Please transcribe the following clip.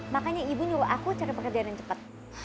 makanya ibu nyuruh aku cari pekerjaan yang cepat